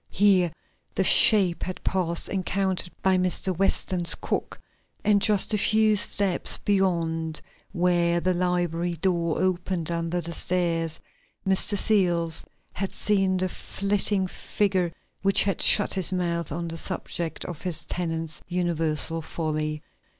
Here the shape had passed encountered by Mr. Weston's cook, and just a few steps beyond where the library door opened under the stairs Mr. Searles had seen the flitting figure which had shut his mouth on the subject of his tenants' universal folly.